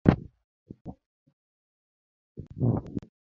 Mary ongeyo pango ot